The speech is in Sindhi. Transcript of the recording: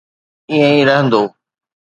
ائين ئي رهندو.